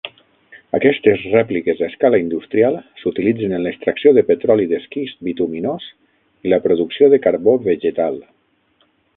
Aquestes rèpliques a escala industrial s'utilitzen en l'extracció de petroli d'esquist bituminós i la producció de carbó vegetal.